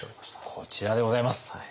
こちらでございます。